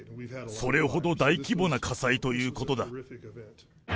それほど大規模な火災ということだ。